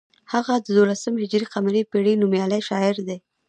هغه د دولسم هجري قمري پیړۍ نومیالی شاعر دی.